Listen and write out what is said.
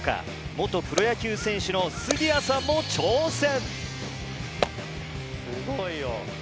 元プロ野球選手の杉谷さんも挑戦。